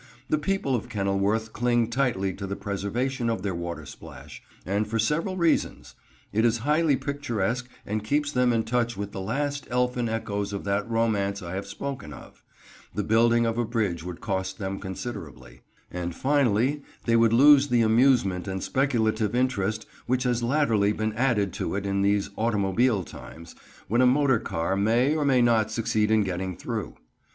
The people of Kenilworth cling tightly to the preservation of their watersplash, and for several reasons: it is highly picturesque and keeps them in touch with the last elfin echoes of that Romance I have spoken of; the building of a bridge would cost them considerably; and finally they would lose the amusement and speculative interest which has latterly been added to it in these automobile times, when a motor car may or may not succeed in getting through.